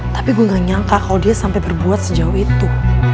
tapi gue gak nyangka kalau dia sampai berbuat sejauh itu